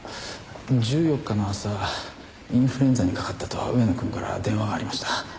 １４日の朝インフルエンザにかかったと上野くんから電話がありました。